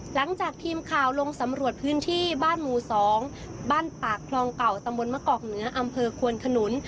หลังจากทีมข่าวลงสำรวจพื้นที่บ้านหมู่๒บ้านปากคลองเก่าตมมนควรขนุน